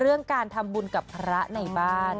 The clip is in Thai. เรื่องการทำบุญกับพระในบ้าน